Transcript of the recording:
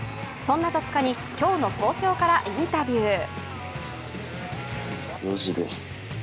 そんな戸塚に今日の早朝からインタビュー。